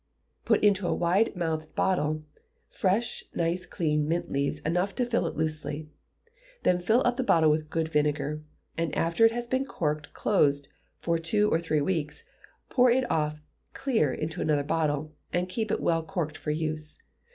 Put into a wide mouthed bottle, fresh nice clean mint leaves enough to fill it loosely; then fill up the bottle with good vinegar; and after it has been corked close for two or three weeks, pour it off clear into another bottle, and keep well corked for use.